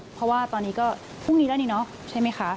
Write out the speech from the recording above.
เพราะว่าตอนนี้ก็พรุ่งนี้แล้วนี่เนาะใช่ไหมคะ